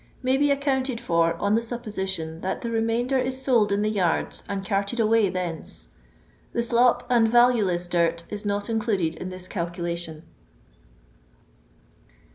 may be accounted for on the supposition that the remainder is sold in the yards and carted away thence. The slop and valueless dirt is not included in this calculation.